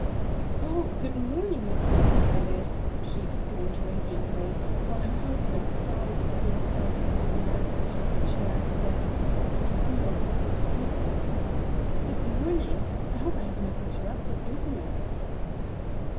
"Oh, good morning! Mr. MacTaggart," she exclaimed, radiantly, while her husband scowled to himself, as he relapsed into the chair at his desk and fumbled with his papers. "Good morning; I hope I have not interrupted business?"